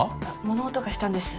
物音がしたんです。